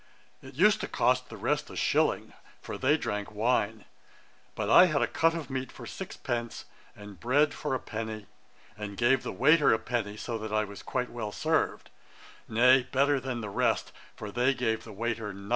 It used to cost the rest a shilling, for they drank wine; but I had a cut of meat for six pence, and bread for a penny, and gave the waiter a penny; so that I was quite well served, nay, better than the rest, for they gave the waiter nothing.'